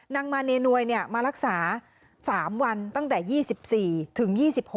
นางมาเนนวยมารักษา๓วันตั้งแต่๒๔ถึง๒๖